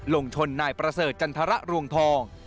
ลงชนนายประเสริฐจันทรรวงทอง